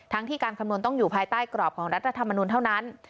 ที่การคำนวณต้องอยู่ภายใต้กรอบของรัฐธรรมนุนเท่านั้น